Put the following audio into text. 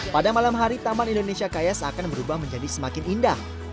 pada malam hari taman indonesia kaya seakan berubah menjadi semakin indah